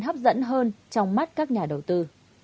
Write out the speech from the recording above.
hấp dẫn hơn trong mắt các nhà đầu tư